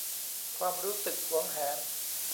ความรู้สึกหวงแหน